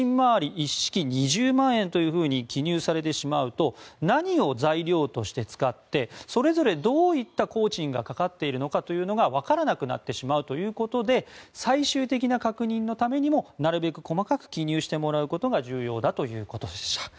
一式２０万円と記入されてしまうと何を材料として使ってそれぞれどういった工賃がかかっているのかわからなくなってしまうということで最終的な確認のためにもなるべく細かく記入してもらうことが重要だということでした。